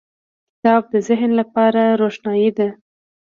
• کتاب د ذهن لپاره روښنایي ده.